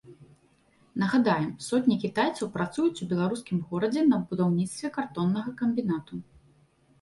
Нагадаем, сотні кітайцаў працуюць у беларускім горадзе на будаўніцтве картоннага камбінату.